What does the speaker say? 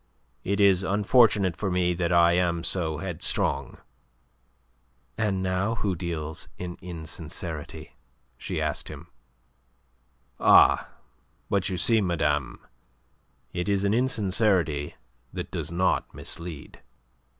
It is unfortunate for me that I am so headstrong." "And now who deals in insincerity?" she asked him. "Ah, but you see, madame, it is an insincerity that does not mislead."